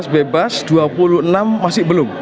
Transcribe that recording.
dua belas bebas dua puluh enam masih belum